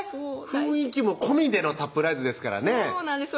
雰囲気も込みでのサプライズですからねそうなんです